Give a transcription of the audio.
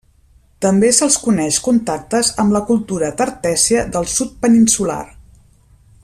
També se'ls coneix contactes amb la cultura tartèssia del sud peninsular.